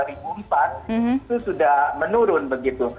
itu sudah menurun begitu